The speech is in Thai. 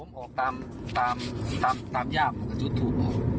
ผมออกตามยามลงกับจุดทูป